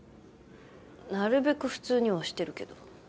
なるべく普通にはしてるけど。